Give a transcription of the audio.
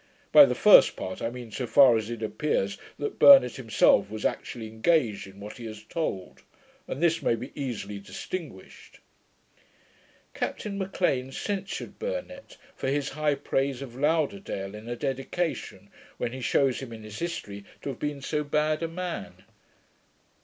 By the first part, I mean so far as it appears that Burnet himself was actually engaged in what he has told; and this may be easily distinguished.' Captain M'Lean censured Burnet, for his high praise of Lauderdale in a dedication, when he shews him in his history to have been so bad a man.